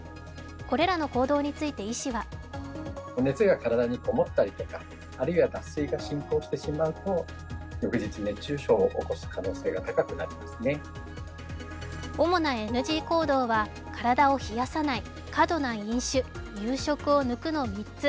これらの行動について医師は主なＮＧ行動は体を冷やさない、過度な飲酒、夕食を抜くの３つ。